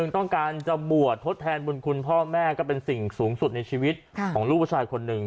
ต้องการจะบวชทดแทนบุญคุณพ่อแม่ก็เป็นสิ่งสูงสุดในชีวิตของลูกผู้ชายคนหนึ่ง